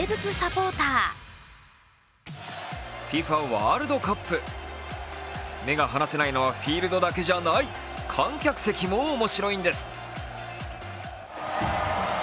ワールドカップ、目が離せないのはフィールドだけじゃない観客席も面白いんです。